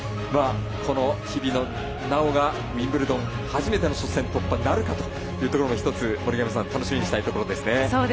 この日比野菜緒がウィンブルドン初めての初戦突破なるかも１つ森上さん楽しみにしたいところですね。